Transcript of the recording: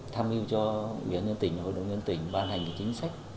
tham hiu cho hội đồng nhân tỉnh hội đồng nhân tỉnh ban hành chính sách